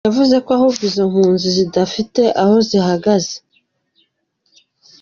Yavuze ko ahubwo izo mpunzi zidafite aho zihagaze.